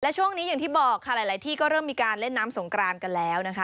ช่วงนี้อย่างที่บอกค่ะหลายที่ก็เริ่มมีการเล่นน้ำสงกรานกันแล้วนะคะ